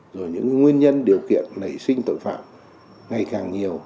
rồi những nguyên nhân điều kiện nảy sinh tội phạm ngày càng nhiều